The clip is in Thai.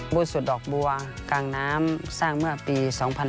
สุดดอกบัวกลางน้ำสร้างเมื่อปี๒๕๕๙